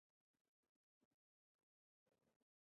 سیاسي اختلاف د پرمختګ برخه ده